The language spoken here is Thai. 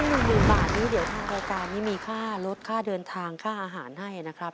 หนึ่งหมื่นบาทนี้เดี๋ยวทางรายการนี้มีค่าลดค่าเดินทางค่าอาหารให้นะครับ